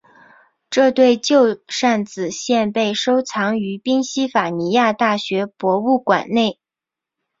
这对旧扇子现被收藏于宾夕法尼亚大学博物馆内。